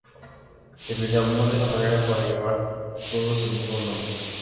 Se les llamó de esa manera por llevar todos el mismo nombre.